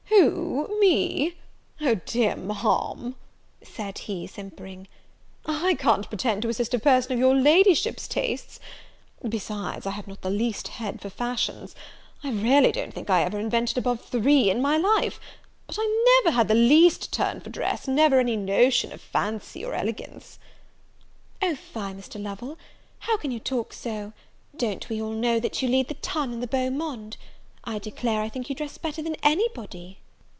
"Who, me! O, dear Ma'am," said he, simpering, "I can't pretend to assist a person of your Ladyship's tastes; besides, I have not the least head for fashions. I really don't think I ever invented above three in my life! But I never had the least turn for dress, never any notion of fancy or elegance." "O fie, Mr. Lovel! how can you talk so? don't we all know that you lead the ton in the beau monde? I declare, I think you dress better than any body."